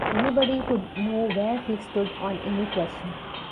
Anybody could know where he stood on any question.